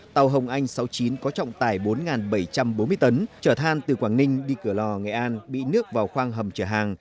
tàu hồng anh sáu mươi chín có trọng tải bốn bảy trăm bốn mươi tấn trở than từ quảng ninh đi cửa lò nghệ an bị nước vào khoang hầm trở hàng